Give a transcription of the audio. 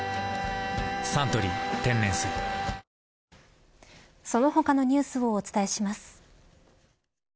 「サントリー天然水」その他のニュースをお伝えします。